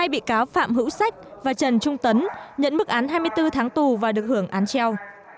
hai bị cáo phạm hữu sách và trần trung tấn nhận mức án hai mươi bốn tháng tù và được hưởng án treo